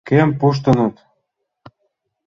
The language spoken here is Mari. — Кӧм пуштыныт?